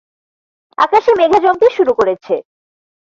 আকাশে মেঘা জমতে শুরু করেছে।